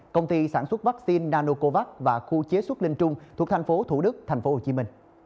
công ty sản xuất vaccine nanocovac và khu chế xuất linh trung thuộc tp thủ đức tp hcm